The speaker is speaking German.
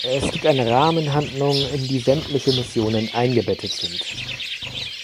Es gibt eine Rahmenhandlung, in die sämtliche Missionen eingebettet sind.